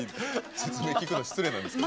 説明聞くの失礼ですけど。